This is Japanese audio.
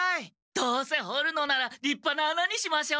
どうせほるのならりっぱな穴にしましょう。